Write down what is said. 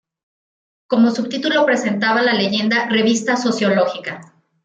Como subtítulo presentaba la leyenda "Revista Sociológica".